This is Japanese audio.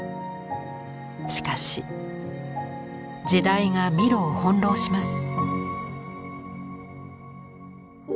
しかし時代がミロを翻弄します。